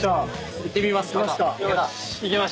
いってみますか。